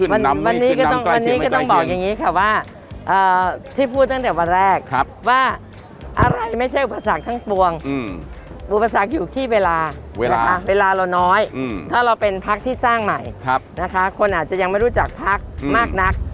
วันนี้ก็ต้องวันนี้ก็ต้องบอกอย่างนี้ค่ะว่าที่พูดตั้งแต่วันแรกว่าอะไรไม่ใช่อุปสรรคทั้งปวงอุปสรรคอยู่ที่เวลาเวลาเราน้อยถ้าเราเป็นพักที่สร้างใหม่นะคะคนอาจจะยังไม่รู้จักพักมากนัก